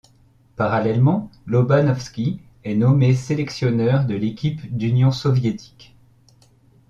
Parallèlement, Lobanovski est nommé sélectionneur de l'équipe d'Union soviétique.